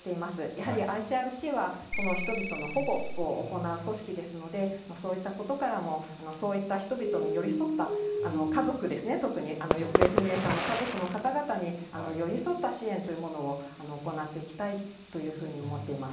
やはりＩＣＲＣは、その人々の保護を行う組織ですので、そういったことからも、そういった人々に寄り添った、家族ですね、特に行方不明者の家族の方々に寄り添った支援というものを行っていきたいというふうに思っています。